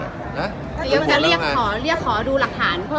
นายยกจะเรียกขอดูหลักฐานเพิ่มเติมไหมคะ